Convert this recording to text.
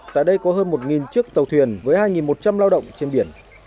tại đây có hơn một chiếc tàu thuyền với hai một trăm linh lao động trên biển